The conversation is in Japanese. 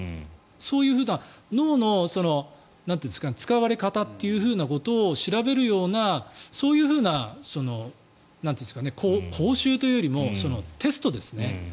そういう脳の使われ方ということを調べるような、そういうふうな講習というよりもテストですね。